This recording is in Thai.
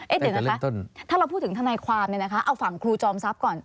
เดี๋ยวนะคะถ้าเราพูดถึงทนายความเนี่ยนะคะเอาฝั่งครูจอมทรัพย์ก่อน